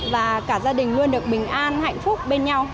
và cả gia đình luôn được bình an hạnh phúc bên nhau